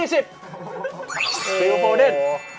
ฮ่าฮ่าฮ่า